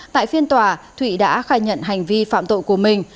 tại phiên tòa thụy đã khai nhận hành vi phạm tội của mình